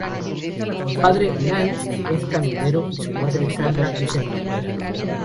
Su padre, Lance, es camionero, y su madre, Sandra, es enfermera.